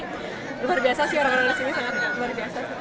luar biasa sih orang orang disini sangat luar biasa